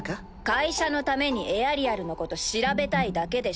会社のためにエアリアルのこと調べたいだけでしょ。